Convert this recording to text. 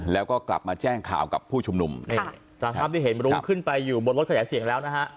แล้วก็กลับมาแจ้งข่าวกับผู้ชุมนุมนี่ตามภาพที่เห็นรุ้งขึ้นไปอยู่บนรถขยายเสียงแล้วนะฮะ